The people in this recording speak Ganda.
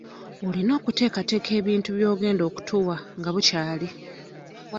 Olina okuteekateeka ebintu by'ogenda okutuwa nga bukyali.